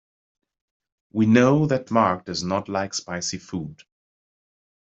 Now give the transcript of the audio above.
We know that Mark does not like spicy food.